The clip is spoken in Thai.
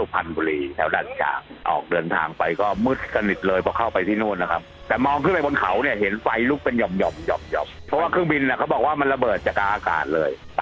เพราะเครื่องบินน่ะเขาบอกมันละเบิดจากอากาศเลย